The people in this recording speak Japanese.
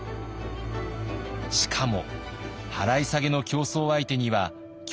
しかも払い下げの競争相手には強力な企業が。